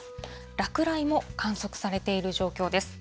落雷も観測されている状況です。